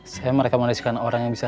saya merekam aliskan orang yang bisa